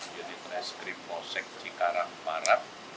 jatang ras ketrim bosek cikarang barat